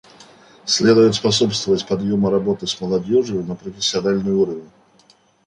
Следует способствовать подъему работы с молодежью на профессиональный уровень.